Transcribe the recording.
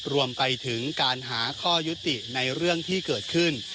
รวมไปถึงการหาข้อยุติในเรื่องที่เกิดขึ้น